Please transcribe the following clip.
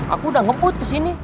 aku udah ngebut kesini